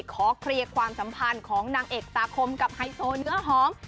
ขอเคลียร์ความสัมพันธ์ของนางเอกตาคมกับไฮโซเนื้อหอม